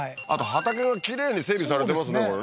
あと畑がきれいに整備されてますね